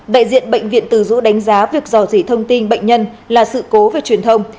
đại diện bệnh viện từ dũ đánh giá việc dò dỉ thông tin bệnh nhân là sự cố về truyền thông